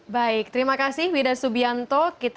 baik terima kasih wida subianto